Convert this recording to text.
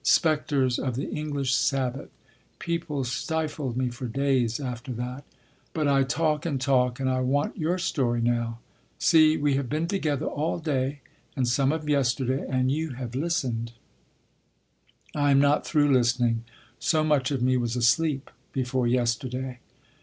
Spectres of the English Sabbath. People stifled me for days after that.... But I talk and talk and I want your story now. See, we have been together all day and some of yesterday and you have listened—" "I am not through listening. So much of me was asleep before yesterday."